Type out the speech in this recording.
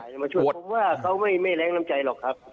ผมว่าเขาไม่แรงน้ำใจหรอกครับ